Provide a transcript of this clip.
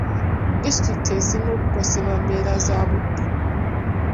Disitulikiti esinga kukosebwa mbeera za budde.